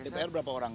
dpr berapa orang